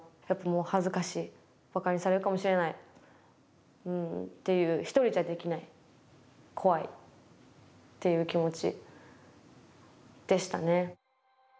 やっぱもう恥ずかしいバカにされるかもしれないっていう一人じゃできない怖いっていう気持ちでしたね。